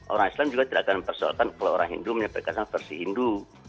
orang islam juga tidak akan mempersoalkan kalau orang hindu menyampaikan versi hindu